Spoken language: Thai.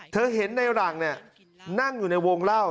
เธอเห็นในหลังนั่งอยู่ในวงเล่า